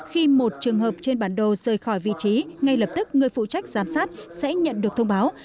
khi một trường hợp trên bản đồ rời khỏi vị trí ngay lập tức người phụ trách giám sát sẽ nhận được thông báo